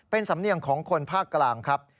เป็นสำเนียงของคนภาคกลางครับ